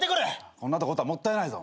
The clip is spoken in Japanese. こんなとこおったらもったいないぞ。